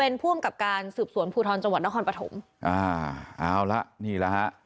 เป็นผู้อำกับการสืบสวนภูทรจังหวัดนครปฐมอ่าเอาละนี่แหละฮะ